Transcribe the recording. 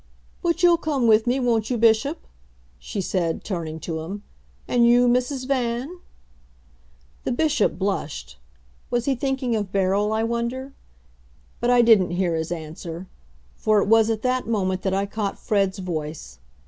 "But you'll come with me, won't you, Bishop?" she said, turning to him. "And you, Mrs. Van?" The Bishop blushed. Was he thinking of Beryl, I wonder. But I didn't hear his answer, for it was at that moment that I caught Fred's voice.